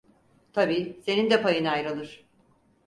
Tabii senin de payın ayrılır.